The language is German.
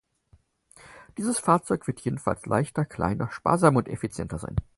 Dieses Fahrzeug wird jedenfalls leichter, kleiner, sparsamer und effizienter sein.